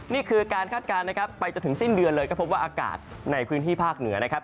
นี่คือการคาดการณ์นะครับไปจนถึงสิ้นเดือนเลยก็พบว่าอากาศในพื้นที่ภาคเหนือนะครับ